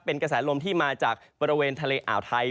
เป็นกระแสลมที่มาจากบริเวณทะเลอ่าวไทย